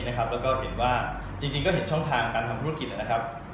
แล้วก็เห็นว่าจริงก็เห็นช่องทางการทำธุรกิจนะครับ